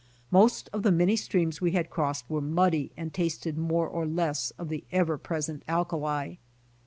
Most of the many streams we had crossed were muddy and tasted more or less of the ever present alkali.